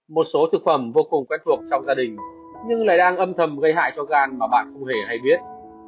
một số thực phẩm vô cùng quen thuộc trong gia đình nhưng lại đang âm thầm gây hại cho gan mà bạn không hề hay biết